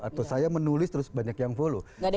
atau saya menulis terus banyak yang follow